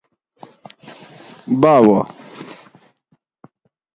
باواۤ